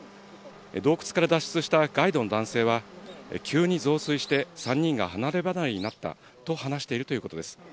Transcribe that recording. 洞窟から脱出したガイドの男性は、急に増水して３人が離れ離れになったと話しているということです。